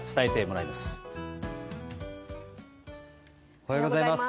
おはようございます。